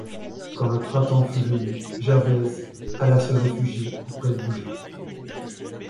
Quand le printemps fut venu, Gervaise alla se réfugier auprès de Goujet.